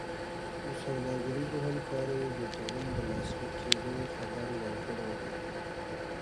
د سوداګریزو همکاریو د تړون د لاسلیک کېدو خبر ورکړی دی.